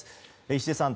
石出さん